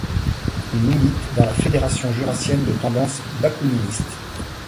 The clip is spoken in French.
Il milite dans la Fédération jurassienne de tendance bakouniniste.